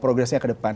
progresnya ke depan